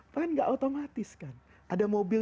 kan tidak otomatis ada mobil